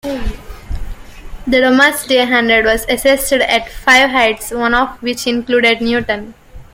The Domesday hundred was assessed at five hides one of which included Newton.